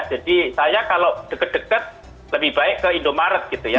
jadi saya kalau deket deket lebih baik ke indomaret gitu ya